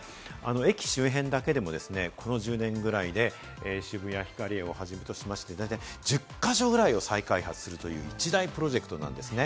駅周辺だけでもこの１０年ぐらいで渋谷ヒカリエを始めとしまして、１０か所ぐらいを再開発するという一大プロジェクトなんですね。